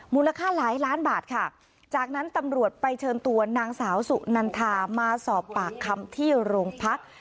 มูลค่าหลายล้านบาทค่ะจากนั้นตำรวจไปเชิญตัวนางสาวสุนันทามาสอบปากคำที่โรงพัก